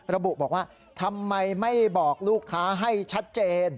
ระบุบอกว่าทำไมไม่บอกลูกค้าให้ชัดเจน